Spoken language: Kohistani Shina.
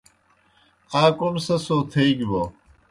آ کوْم سہ سو تھیگیْ بوْ